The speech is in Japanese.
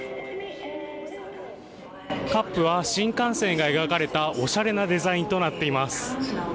カップは新幹線が描かれたおしゃれなデザインとなっています。